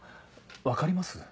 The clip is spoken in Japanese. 分かります？